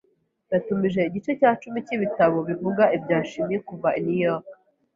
Natumije igice cya cumi cyibitabo bivuga ibya chimie kuva i New York.